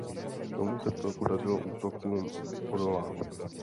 Tomu se vcelku dařilo útokům odolávat.